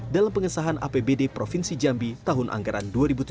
dalam pengesahan apbd provinsi jambi tahun anggaran dua ribu tujuh belas dua ribu delapan belas